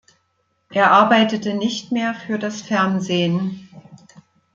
Er arbeitete nicht mehr für das Fernsehen.